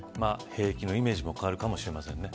兵役のイメージも変わるかもしれませんね。